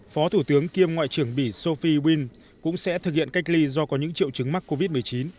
phó thủ tướng kiêm ngoại trưởng bỉ sophie win cũng sẽ thực hiện cách ly do có những triệu chứng mắc covid một mươi chín